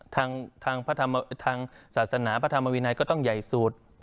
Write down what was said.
ทางศาสนาพระธรรมวินัยก็ต้องใหญ่สุด